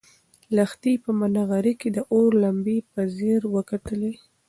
لښتې په نغري کې د اور لمبې په ځیر وکتلې.